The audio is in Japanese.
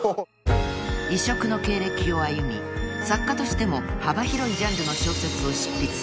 ［異色の経歴を歩み作家としても幅広いジャンルの小説を執筆］